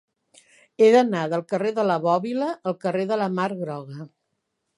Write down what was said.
He d'anar del carrer de la Bòbila al carrer de la Mar Groga.